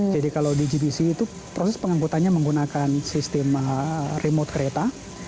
jadi kalau di gbc itu proses pengangkutannya menggunakan sistem remote kereta